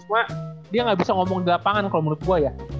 gue dia gak bisa ngomong di lapangan kalau menurut gue ya